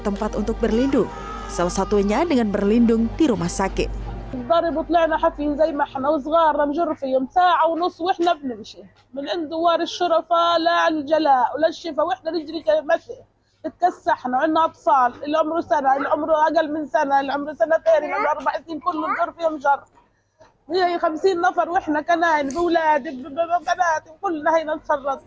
tempat untuk berlindung salah satunya dengan berlindung di rumah sakit dari butuhnya hafiin